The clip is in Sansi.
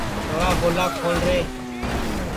چھورا گولا کھول رے